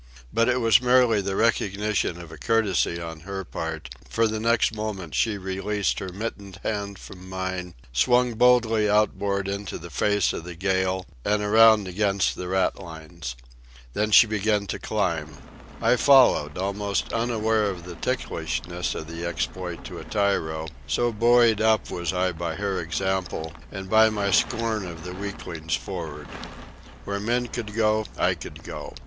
But it was merely the recognition of a courtesy on her part, for the next moment she released her mittened hand from mine, swung boldly outboard into the face of the gale, and around against the ratlines. Then she began to climb. I followed, almost unaware of the ticklishness of the exploit to a tyro, so buoyed up was I by her example and by my scorn of the weaklings for'ard. Where men could go, I could go.